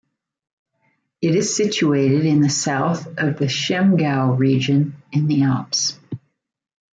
It is situated in the south of the Chiemgau region in the Alps.